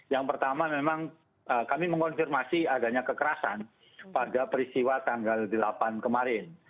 yang pertama memang kami mengonfirmasi adanya kekerasan pada peristiwa tanggal delapan kemarin